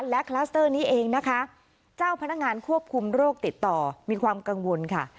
และคลัสเตอร์นี้เองนะคะเจ้าพนักงานควบคุมโรคติดต่อมีความกังวลค่ะ